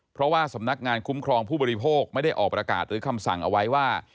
เพราะว่าสำนักงานคุ้มครองผู้บริโภคไม่ได้ออกประกาศหรือคำสั่งเอาไว้ว่า